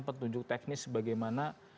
petunjuk teknis bagaimana